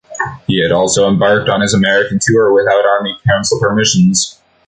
He had also embarked on his American tour without Army Council permission.